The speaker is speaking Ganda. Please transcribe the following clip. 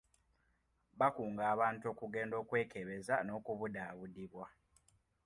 Bakunga abantu okugenda okwekebeza n'okubudaabudibwa..